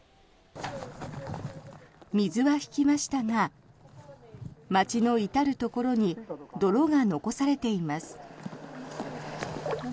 水は引きましたが町の至るところに泥が残されています。